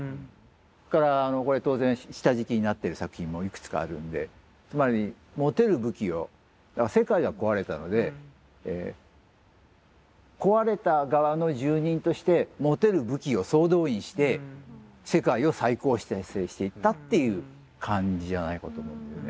それからこれ当然下敷きになってる作品もいくつかあるんでつまり持てる武器をだから世界が壊れたので壊れた側の住人として持てる武器を総動員して世界を再構成していったっていう感じじゃないかと思うんだよね。